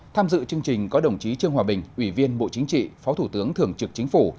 tham dự chương trình có đồng chí trương hòa bình ủy viên bộ chính trị phó thủ tướng thường trực chính phủ